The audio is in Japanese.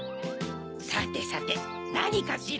さてさてなにかしら？